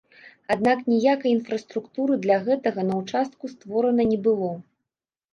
Аднак ніякай інфраструктуры для гэтага на ўчастку створана не было.